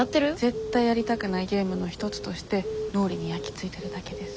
絶対やりたくないゲームの一つとして脳裏に焼き付いてるだけです。